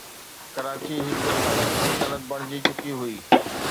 ڪراچي هڪ الڳ سلطنت بڻجي چڪي هئي.